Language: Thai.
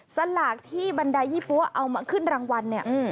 สลากที่บรรดายยี่ปั้วเอามาขึ้นรางวัล